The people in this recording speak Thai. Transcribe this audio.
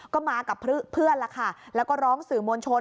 ก็มากับเพื่อนแล้วก็ร้องสื่อมวลชน